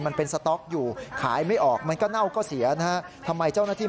มันเป็นสต๊อกอยู่ขายไม่ออกมันก็เน่าก็เสียนะฮะทำไมเจ้าหน้าที่